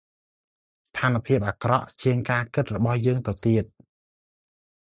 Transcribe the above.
ស្ថានភាពអាក្រក់ជាងការគិតរបស់យើងទៅទៀត ។